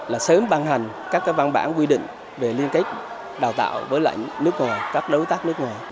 là sớm ban hành các cái văn bản quy định về liên kết đào tạo với lại nước ngoài các đối tác nước ngoài